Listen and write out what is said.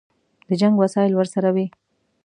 د جنګ وسایل ورسره وي.